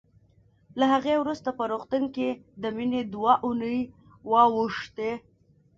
له هغې وروسته په روغتون کې د مينې دوه اوونۍ واوښتې